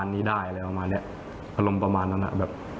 ให้รู้ว่าผมป้นธนาคารอารมณ์ประมาณนั้น